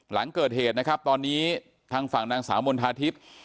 หลังเกิดเหตุนะครับตอนนี้ทางฝั่งนางสาวมณฑาทิพย์